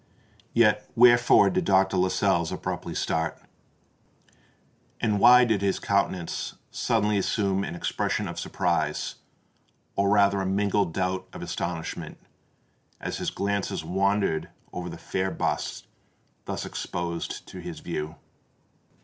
Yet wherefore did Dr. Lascelles abruptly start? and why did his countenance suddenly assume an expression of surprise—or rather of mingled doubt and astonishment—as his glances wandered over the fair bust thus exposed to his view?